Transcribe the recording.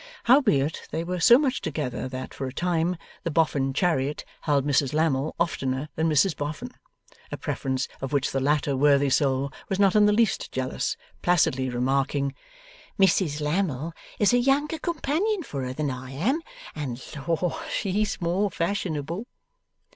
Howbeit, they were so much together that, for a time, the Boffin chariot held Mrs Lammle oftener than Mrs Boffin: a preference of which the latter worthy soul was not in the least jealous, placidly remarking, 'Mrs Lammle is a younger companion for her than I am, and Lor! she's more fashionable.